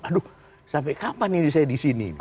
aduh sampai kapan ini saya di sini